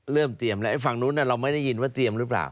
เตรียมแล้วไอ้ฝั่งนู้นเราไม่ได้ยินว่าเตรียมหรือเปล่า